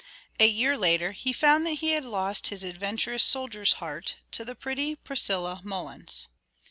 A year later he found that he had lost his adventurous soldier's heart to the pretty Priscilla Mullins.